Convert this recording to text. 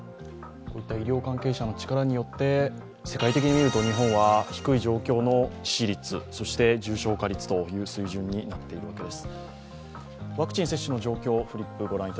こういった医療関係者の力によって、世界的に見ると日本は低い状況の致死率、そして重症化率という水準になっているわけです。